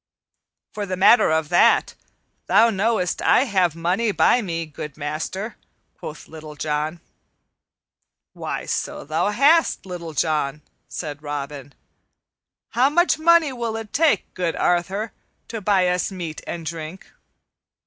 "For the matter of that, thou knowest I have money by me, good master," quoth Little John. "Why, so thou hast, Little John," said Robin. "How much money will it take, good Arthur, to buy us meat and drink?"